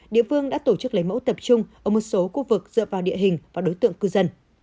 địa phương đã tổ chức lấy mẫu tập trung ở một số khu vực dựa vào địa hình và đối tượng cư dân